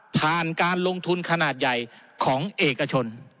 การลงทุนขนาดใหญ่ของเอกชน